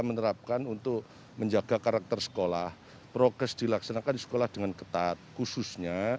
menerapkan untuk menjaga karakter sekolah progres dilaksanakan di sekolah dengan ketat khususnya